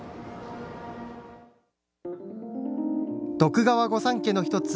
徳川御三家のひとつ